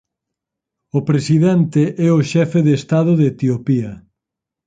O presidente é o xefe de Estado de Etiopía.